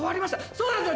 そうなんですよ